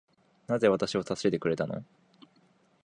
なぜ私を助けてくれたの